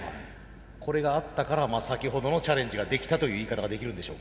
これがあったから先ほどのチャレンジができたという言い方ができるんでしょうか。